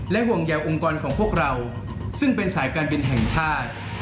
ห่วงใยองค์กรของพวกเราซึ่งเป็นสายการบินแห่งชาติ